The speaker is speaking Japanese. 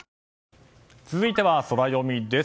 続いてはソラよみです。